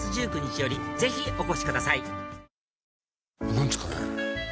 何ですかね？